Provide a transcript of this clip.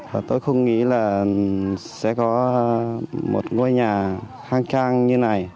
và tôi không nghĩ là sẽ có một ngôi nhà khang trang như này